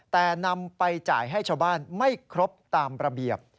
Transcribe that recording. แต่นำไปจ่ายให้ชาวบ้านไม่ครบตามระเบียบ